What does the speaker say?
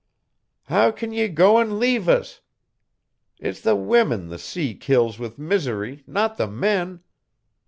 "How can ye go an' leave us? It's the women the sea kills with misery, not the men.